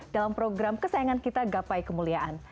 dalam program kesayangan kita gapai kemuliaan